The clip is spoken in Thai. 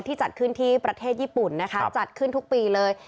จัดขึ้นที่ประเทศญี่ปุ่นนะคะจัดขึ้นทุกปีเลย